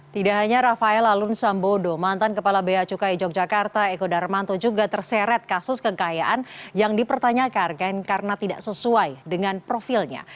tidak hanya rafael alun sambodo mantan kepala bacukai yogyakarta eko darmanto juga terseret kasus kekayaan yang dipertanyakan karena tidak sesuai dengan profilnya